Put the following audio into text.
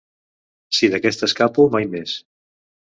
Si d'aquesta escapo, mai més.